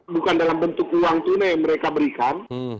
bukan dalam bentuk uang tunai yang mereka berikan